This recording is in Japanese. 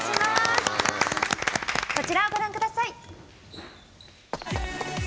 こちらをご覧ください。